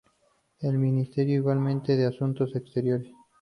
Es ministro igualmente de Asuntos Exteriores.